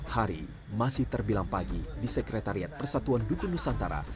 hari masih terbilang pagi di sekretariat persatuan duku nusantara